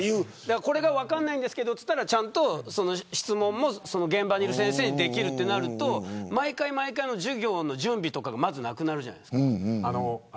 これが分からないんですけどと言ったら質問も現場の先生にできるとなると授業の準備とかがなくなるじゃないですか。